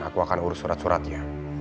aku akan urus surat suratnya